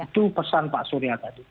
itu pesan pak surya tadi